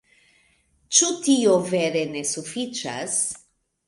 Ĉu tio vere ne sufiĉas?